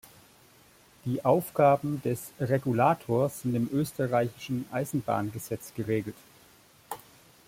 Die Aufgaben des Regulators sind im österreichischen Eisenbahngesetz geregelt.